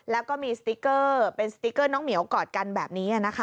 แล้วก็มีสติเกอร์เป็นสติเกอร์น้องหมิ๊วกอดกันแบบนี้